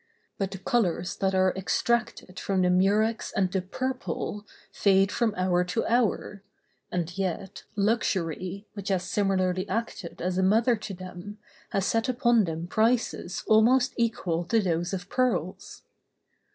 But the colors that are extracted from the murex and the "purple" fade from hour to hour; and yet luxury, which has similarly acted as a mother to them, has set upon them prices almost equal to those of pearls.